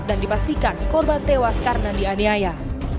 dan dipastikan korban tewas karena dianiaya